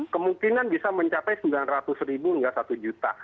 kemungkinan bisa mencapai sembilan ratus ribu hingga satu juta